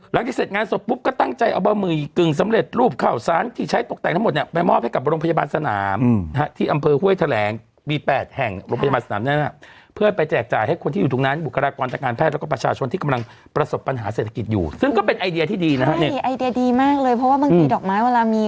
หลังที่เสร็จงานศพปุ๊บก็ตั้งใจเอาเบ้ามืออีกกึ่งสำเร็จรูปข่าวสารที่ใช้ตกแต่งทั้งหมดเนี่ยไปมอบให้กับโรงพยาบาลสนามที่อำเภอห้วยแถลงปี๘แห่งโรงพยาบาลสนามนั้นเพื่อไปแจกจ่ายให้คนที่อยู่ทุกนั้นบุคลากรรมจักรงานแพทย์และประชาชนที่กำลังประสบปัญหาเศรษฐกิจอยู่ซึ่งก็เป็นไอเดีย